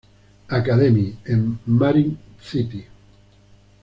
Academy" en Marin City.